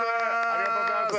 ありがとうございます。